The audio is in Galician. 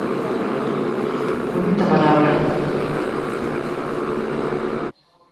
Bonita palabra.